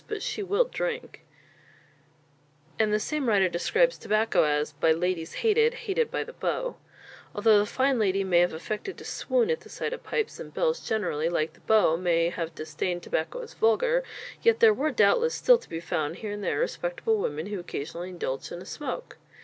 but she will drink;_ and the same writer describes tobacco as "By ladies hated, hated by the beaux." Although the fine lady may have affected to swoon at the sight of pipes, and belles generally, like the beaux, may have disdained tobacco as vulgar, yet there were doubtless still to be found here and there respectable women who occasionally indulged in a smoke.